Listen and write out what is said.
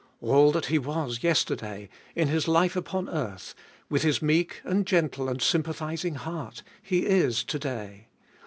All that He was yesterday, in His life upon earth, with His meek and gentle and sympathising heart, He is to day.